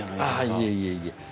あいえいえいえ。